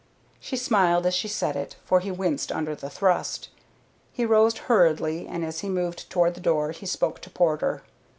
She smiled as she said it, for he winced under the thrust. He rose hurriedly, and as he moved toward the door he spoke to Porter.